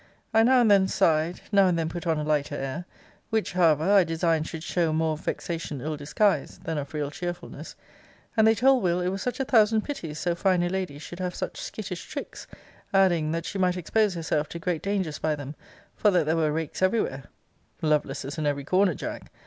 I now and then sighed, now and then put on a lighter air; which, however, I designed should show more of vexation ill disguised, than of real cheerfulness; and they told Will. it was such a thousand pities so fine a lady should have such skittish tricks; adding, that she might expose herself to great dangers by them; for that there were rakes every where [Lovelaces in every corner, Jack!